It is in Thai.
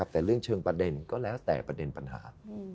แต่เรื่องเชิงประเด็นก็แล้วแต่ประเด็นปัญหา